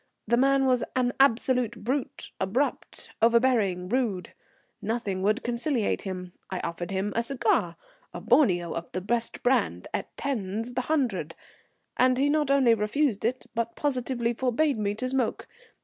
The man was an absolute brute, abrupt, overbearing, rude. Nothing would conciliate him. I offered him a cigar (a Borneo of the best brand, at 10s. the hundred), and he not only refused it, but positively forbade me to smoke.